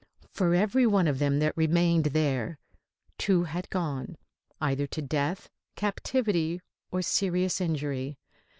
Flor every one of them that remained there, two had gone, either to death, captivity or serious injury.